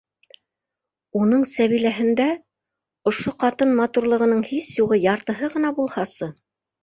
Уның Сәбиләһендә ошо ҡатын матурлығының һис юғы яртыһы ғына булһасы...